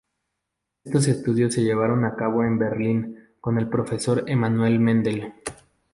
Estos estudios se llevaron a cabo en Berlín con el profesor Emanuel Mendel.